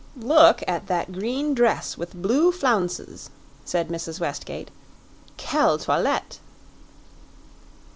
"Look at that green dress with blue flounces," said Mrs. Westgate. "Quelle toilette!"